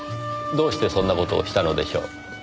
どうしてそんな事をしたのでしょう？